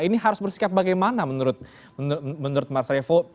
ini harus bersikap bagaimana menurut mas revo